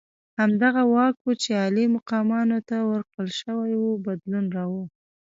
همدغه واک چې عالي مقامانو ته ورکړل شوی وو بدلون راوړ.